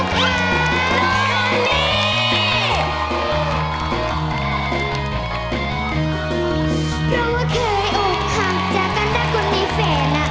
เพราะว่าเคยอกหักจากกันได้คนมีแฟน